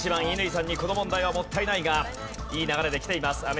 乾さんにこの問題はもったいないがいい流れできています。